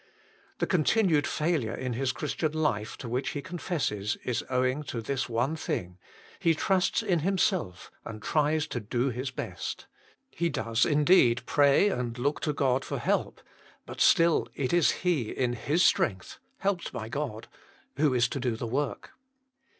The continued failure in his Christian life to which he confesses is owing to this one thing : he trusts in himself, and tries to do his best. He does, indeed, pray and look to God for help, but still it is he in his strength, helped by God, who is to do the work.